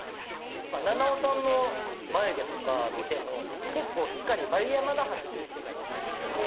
菜々緒さんの眉毛とか見ても結構しっかり眉山がはっきりしてたりするんですよ。